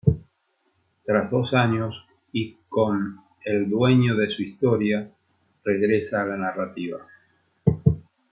Tras dos años y con "El dueño de su historia" regresa a la narrativa.